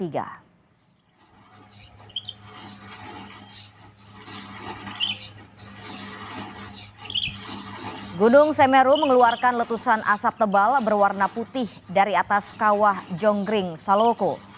gunung semeru mengeluarkan letusan asap tebal berwarna putih dari atas kawah jonggring saloko